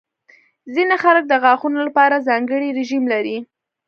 ځینې خلک د غاښونو لپاره ځانګړې رژیم لري.